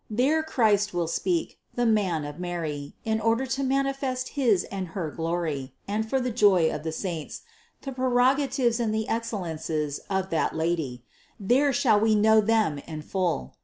There Christ will speak, the Man of Mary, in order to manifest his and her glory, and for the joy of the saints, the prerogatives and the excellences of that Lady; there shall we know them in full.